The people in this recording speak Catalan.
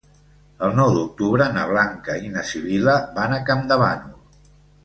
El nou d'octubre na Blanca i na Sibil·la van a Campdevànol.